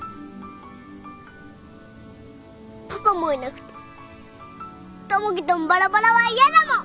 パパもいなくて友樹ともばらばらは嫌だもん。